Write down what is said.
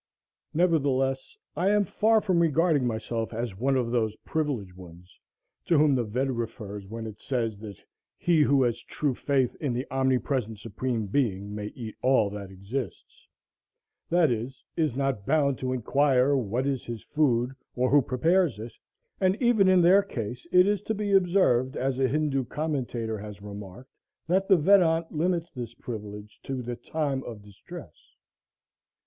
Nevertheless I am far from regarding myself as one of those privileged ones to whom the Ved refers when it says, that "he who has true faith in the Omnipresent Supreme Being may eat all that exists," that is, is not bound to inquire what is his food, or who prepares it; and even in their case it is to be observed, as a Hindoo commentator has remarked, that the Vedant limits this privilege to "the time of distress."